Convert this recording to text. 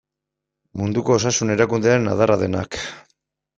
Munduko Osasun Erakundearen adarra denak.